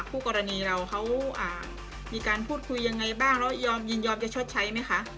คู่กรณีเราเขามีการพูดคุยยังไงบ้างแล้วยอมยินยอมจะชดใช้ไหมคะ